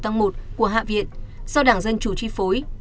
trong năm sáu tháng một của hạ viện do đảng dân chủ tri phối